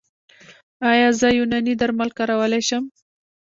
ایا زه یوناني درمل کارولی شم؟